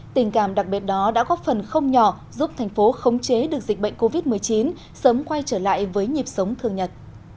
tình cảm đặc biệt đó đã góp phần không nhỏ giúp thành phố khống chế được dịch bệnh covid một mươi chín sớm quay trở lại với nhịp sống thường nhật